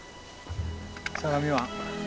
相模湾。